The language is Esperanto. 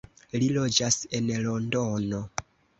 Li loĝas en Londono.